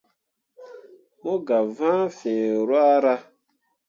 Mo gah vãã fǝ̃ǝ̃ ruahra.